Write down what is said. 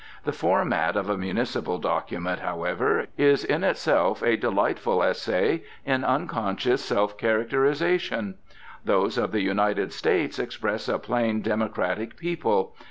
The format of a municipal document, however, is in itself a delightful essay in unconscious self characterisation. Those of the United States express a plain democratic people.